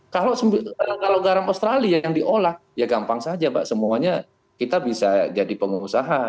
kalau garam australia yang diolah ya gampang saja pak semuanya kita bisa jadi pengusaha